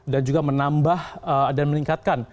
dan juga menambah dan meningkatkan